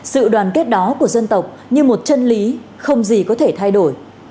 sự đoàn kết đó của dân tộc như một chân lý không gì có thể thay đổi